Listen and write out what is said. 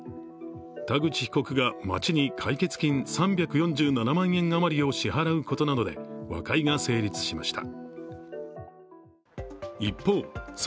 田口被告が町に解決金３４７万円余りを支払うことなどで和解が成立しました。